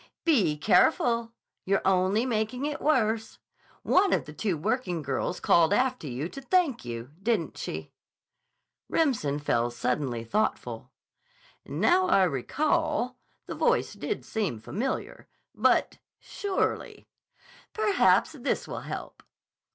"Be careful! You're only making it worse. One of the two working girls called after you to thank you, didn't she?" Remsen fell suddenly thoughtful. "Now I recall, the voice did seem familiar. But—surely—" "Perhaps this will help."